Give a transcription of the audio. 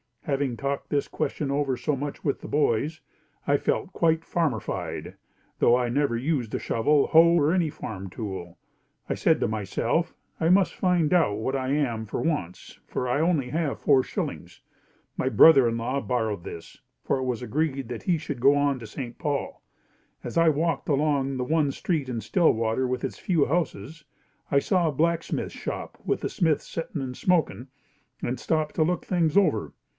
Having talked this question over so much with the boys, I felt quite farmerfied, though I had never used shovel, hoe or any farm tool. I said to myself, I must find out what I am at once for I only have four shillings. My brother in law borrowed this, for it was agreed that he should go on to St. Paul. As I walked along the one street in Stillwater with its few houses, I saw a blacksmith shop with the smith settin' and smokin' and stopped to look things over.